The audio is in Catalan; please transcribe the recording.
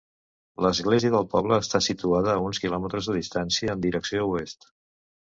L'església del poble està situada a uns quilòmetres de distància en direcció oest.